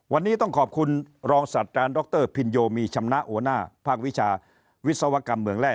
วันนี้ต้องขอบคุณรองศาสตราจารย์ดรพินโยมีชำนะหัวหน้าภาควิชาวิศวกรรมเมืองแร่